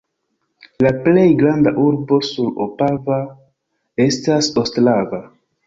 La plej granda urbo sur Opava estas Ostrava.